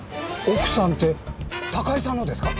奥さんって高井さんのですか？